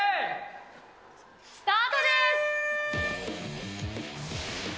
スタートです。